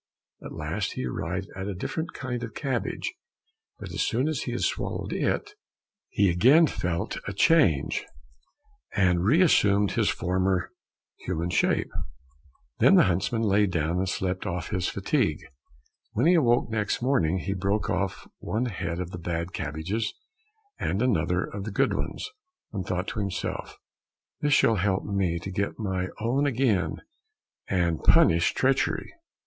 At last he arrived at a different kind of cabbage, but as soon as he had swallowed it, he again felt a change, and reassumed his former human shape. Then the huntsman lay down and slept off his fatigue. When he awoke next morning, he broke off one head of the bad cabbages and another of the good ones, and thought to himself, "This shall help me to get my own again and punish treachery."